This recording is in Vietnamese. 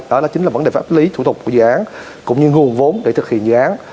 đó chính là vấn đề pháp lý thủ tục của dự án cũng như nguồn vốn để thực hiện dự án